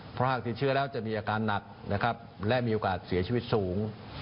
เพราะหากติดเชื้อแล้วจะมีอาการหนักนะครับและมีโอกาสเสียชีวิตสูง